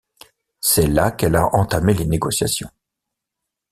C'est là qu'elle a entamé les négociations.